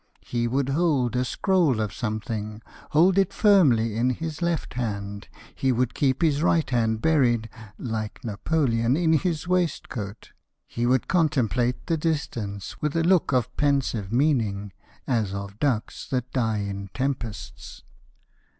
He would hold a scroll of something, Hold it firmly in his left hand; He would keep his right hand buried (Like Napoleon) in his waistcoat; He would contemplate the distance With a look of pensive meaning, As of ducks that die in tempests.